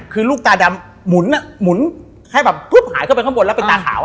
คือลูกตาดำหมุนหมุนให้แบบปุ๊บหายเข้าไปข้างบนแล้วเป็นตาขาว